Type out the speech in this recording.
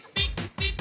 ピッ！